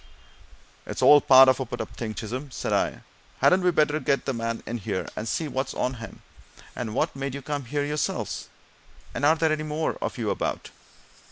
"It's all part of a put up thing, Chisholm," said I. "Hadn't we better get the man in here, and see what's on him? And what made you come here yourselves? and are there any more of you about?"